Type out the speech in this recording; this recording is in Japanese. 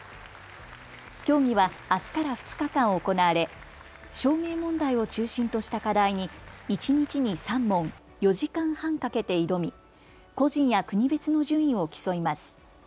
競技はあすから２日間行われ証明問題を中心とした課題に１日に３問、４時間半かけて挑み個人や国別の順位を競います。